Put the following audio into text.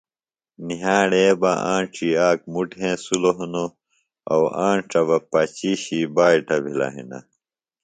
نِھیاڑے بہ آنڇیۡ آک مُٹ ہینسلوۡ ہنوۡ اوۡ آنڇہ بہ پچیۡ شی بائٹہ بِھلہ ہنہ